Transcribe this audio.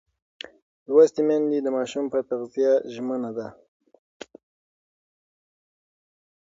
لوستې میندې د ماشوم پر تغذیه ژمنه ده.